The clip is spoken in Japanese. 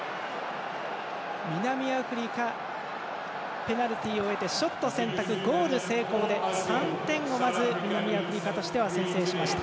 南アフリカペナルティを得てショット選択、ゴール成功で３点をまず南アフリカとしては先制しました。